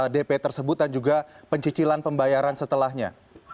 dp tersebut dan juga pencicilan pembayaran setelahnya